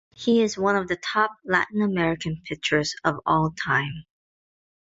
He is one of the top Latin American pitchers of all-time.